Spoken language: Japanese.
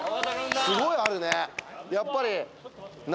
すごいあるね。